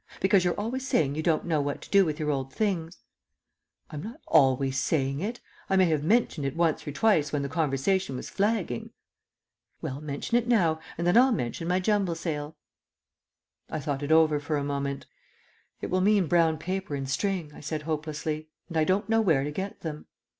Because you're always saying you don't know what to do with your old things." "I'm not always saying it. I may have mentioned it once or twice when the conversation was flagging." "Well, mention it now, and then I'll mention my jumble sale." I thought it over for a moment. "It will mean brown paper and string," I said hopelessly, "and I don't know where to get them."